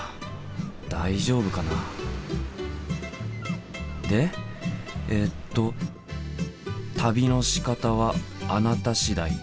大丈夫かな？でえっと「旅のしかたはあなた次第。